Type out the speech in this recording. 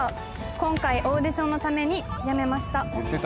「今回オーディションのためにやめました」